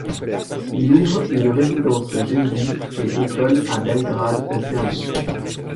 Il ouvre une résidence jésuite et école à Belgrade en Serbie.